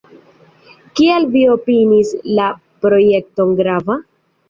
Kial vi opiniis la projekton grava?